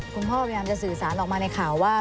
พยายามจะสื่อสารออกมาในข่าวว่า